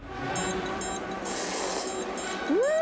うん。